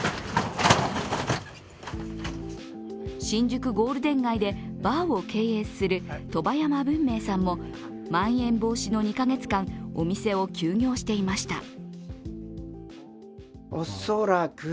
新宿ゴールデン街でバーを経営する外波山文明さんもまん延防止の２カ月間お店を休業していました。